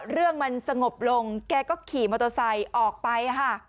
เรื่องมันสงบลงแกก็ขี่มอโตซัยออกไป